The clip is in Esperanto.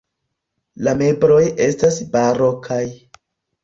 La mebloj estas barokaj.